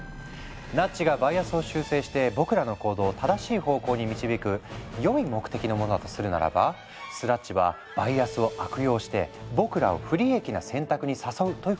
ナッジがバイアスを修正して僕らの行動を正しい方向に導く良い目的のものだとするならばスラッジはバイアスを悪用して僕らを不利益な選択に誘うという感じ。